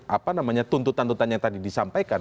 apa namanya tuntutan tuntutan yang tadi disampaikan